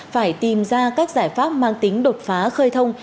phải tìm ra các giải pháp mang tính đột phá khơi thông